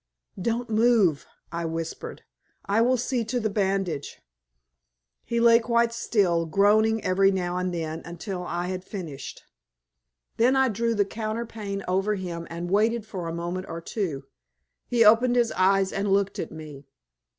"Don't move!" I whispered. "I will see to the bandage." He lay quite still, groaning every now and then until I had finished. Then I drew the counterpane over him and waited for a moment or two. He opened his eyes and looked at me.